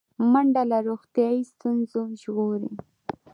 منډه له روغتیایي ستونزو ژغوري